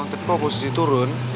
tapi kalau posisi turun